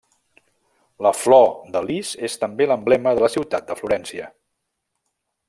La flor de lis és també l'emblema de la ciutat de Florència.